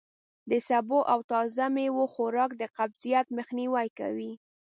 د سبو او تازه میوو خوراک د قبضیت مخنوی کوي.